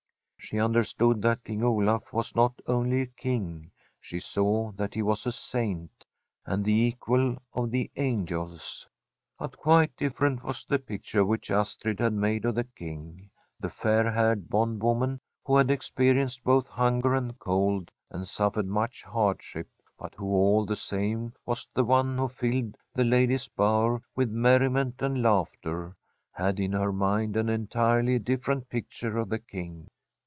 She understood that King Olaf was not only a King, she saw that he was a saint, and the equal of the angels. But quite diflferent was the picture which Astrid had made of the King. The fair haired bondwoman, who had experienced both hunger and cold and suffered much hardship, but who all the same was the one who filled the Ladies' Bower with merriment and laughter, had in her mind an entirely different picture of the King.